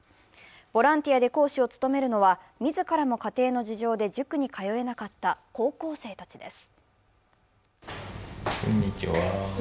ボランティアで講師を務めるのは自らも家庭の事情で塾に通えなかった高校生たちです。